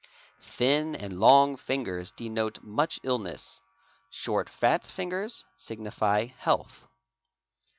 Thin and long fingers denote much illness; short fat fingers signify health..